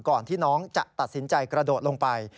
ก่อนที่น้องจะตัดสินใจกระโดดลงไป